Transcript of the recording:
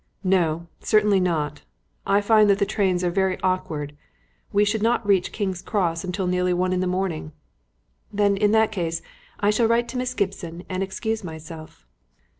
"No; certainly not. I find that the trains are very awkward; we should not reach King's Cross until nearly one in the morning." "Then, in that case, I shall write to Miss Gibson and excuse myself."